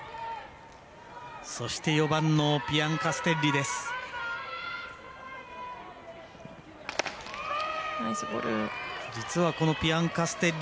そして、４番のピアンカステッリ。